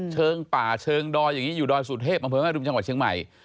เชิงป่าเชิงดอยอยู่ดอยสูตรเทพมธริมชเชียงใหม่